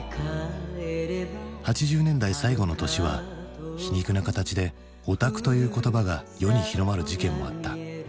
８０年代最後の年は皮肉な形で「おたく」という言葉が世に広まる事件もあった。